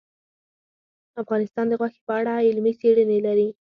افغانستان د غوښې په اړه علمي څېړنې لري.